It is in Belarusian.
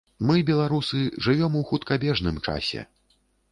Мы, беларусы, жывём у хуткабежным часе.